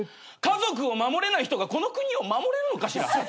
家族を守れない人がこの国を守れるのかしら。